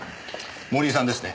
森井さんですね？